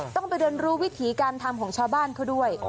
ต้องไปเรียนรู้วิถีการทำของชาวบ้านเขาด้วย